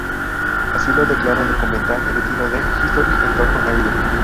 Así lo declara el documental emitido de History en torno a ella.